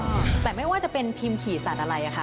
แต่ไม่ว่าจะเป็นพิมพ์ขี่สัตว์อะไรอะค่ะ